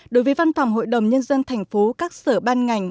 đối với văn phòng hội đồng nhân dân tp các sở ban ngành